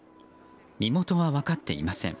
身元は分かっていません。